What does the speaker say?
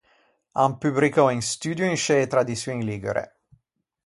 An pubricou un studio in scê tradiçioin ligure.